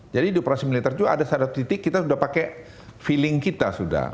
jadi di operasi militer juga ada satu titik kita sudah pakai feeling kita sudah